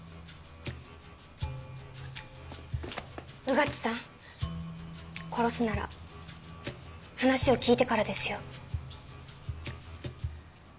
穿地さん殺すなら話を聞いてからですよ。